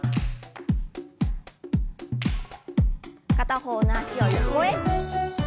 片方の脚を横へ。